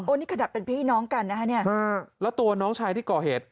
นี่ขนาดเป็นพี่น้องกันนะฮะเนี่ยแล้วตัวน้องชายที่ก่อเหตุ